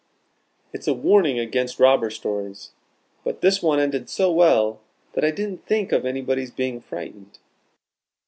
"It's a warning against robber stories. But this one ended so well, that I didn't think of anybody's being frightened."